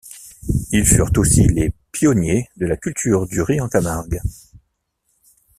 Ils furent aussi les pionniers de la culture du riz en Camargue.